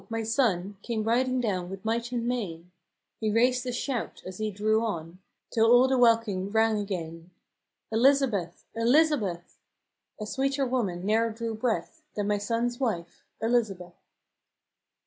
my sonne Came riding down with might and main; He raised a shout as he drew on, Till all the welkin rang again, " Elizabeth ! Elizabeth !" (A sweeter woman ne'er drew breath Than my sonne's wife, Elizabeth.)